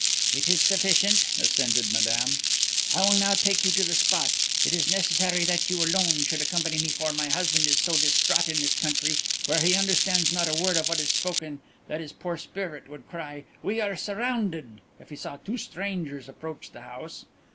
"It is sufficient," assented Madame. "I will now take you to the spot. It is necessary that you alone should accompany me, for my husband is so distraught in this country, where he understands not a word of what is spoken, that his poor spirit would cry 'We are surrounded!' if he saw two strangers approach the house.